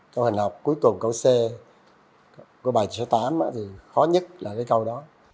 câu hình học cuối cùng câu c câu bài số tám khó nhất là câu đó